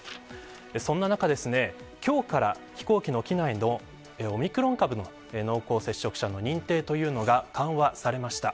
そんな中、今日から飛行機の機内のオミクロン株の濃厚接触者の認定というのが緩和されました。